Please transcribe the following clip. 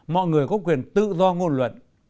mọi người có quyền tự do ngôn luận